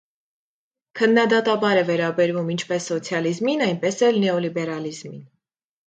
Քննադատաբար է վերաբերվում ինչպես սոցիալիզմին, այնպես էլ նեոլիբերալիզմին։